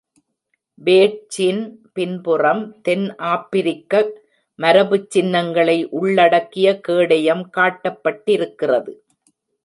பேட்ஜின் பின்புறம் தென் ஆப்பிரிக்க மரபுச் சின்னங்களை உள்ளடக்கிய கேடயம் காட்டப்பட்டிருக்கிறது.